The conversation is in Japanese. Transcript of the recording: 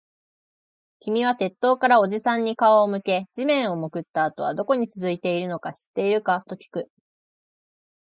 君は鉄塔からおじさんに顔を向け、地面に潜ったあとはどこに続いているのか知っているかときく